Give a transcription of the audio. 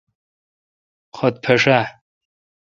خط پھݭ آ؟